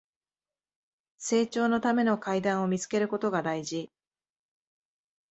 成長のための階段を見つけることが大事